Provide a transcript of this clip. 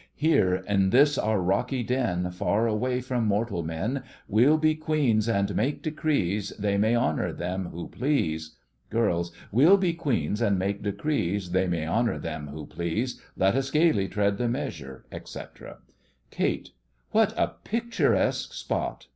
Here, in this our rocky den, Far away from mortal men, We'll be queens, and make decrees— They may honour them who please. GIRLS: We'll be queens, and make decrees— They may honour them who please. Let us gaily tread the measure, etc. KATE: What a picturesque spot!